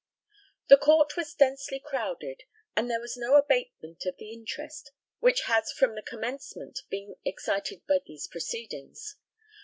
The court was densely crowded, and there was no abatement of the interest which has from the commencement been excited by these proceedings.